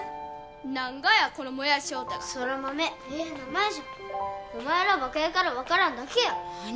何がやこのもやし翔太が空豆ええ名前じゃお前らはバカやから分からんだけや何！